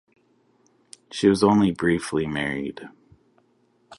She was only briefly married.